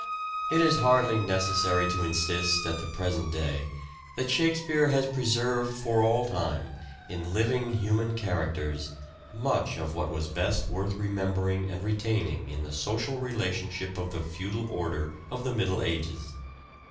It is hardly necessary to insist at the present day that Shakespeare has preserved for all time, in living human characters, much of what was best worth remembering and retaining in the social relationship of the Feudal order of the Middle Ages.